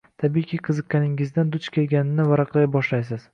Tabiiyki, qiziqqaningizdan duch kelganini varaqlay boshlaysiz.